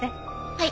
はい。